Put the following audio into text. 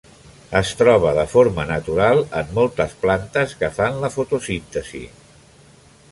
Es troba de forma natural en moltes plantes que fan la fotosíntesi.